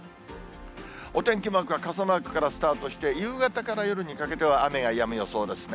お天気マークは傘マークからスタートして、夕方から夜にかけては雨がやむ予想ですね。